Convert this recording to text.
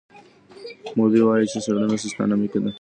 مولي وايي چي څېړنه سیستماتیکه ده.